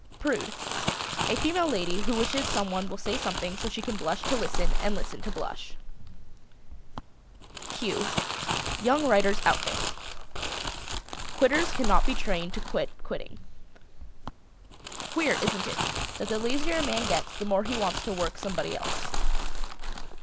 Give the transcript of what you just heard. PRUDE. A female lady who wishes someone will say something so she can blush to listen and listen to blush. [Illustration: "Q Young writers Outfit."] Quitters cannot be trained to quit quitting. Queer, isn't it, that the lazier a man gets the more he wants to work somebody else.